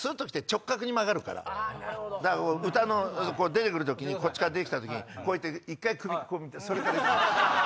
だから歌出てくる時にこっちから出てきた時に一回首こう見てそれから行く。